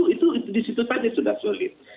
itu disitu saja sudah sulit